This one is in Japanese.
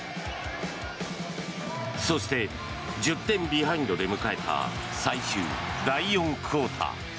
そして１０点ビハインドで迎えた最終第４クオーター。